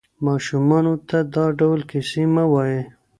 ماشومانو ته دا ډول کیسې مه وایئ.